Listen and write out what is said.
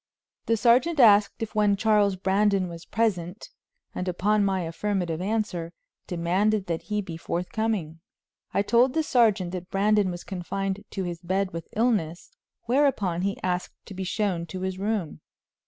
The sergeant asked if one Charles Brandon was present, and upon my affirmative answer demanded that he be forthcoming. I told the sergeant that Brandon was confined to his bed with illness, whereupon he asked to be shown to his room.